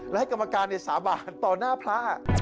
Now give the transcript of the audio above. แล้วให้กรรมการเนี่ยสาบานต่อหน้าพระ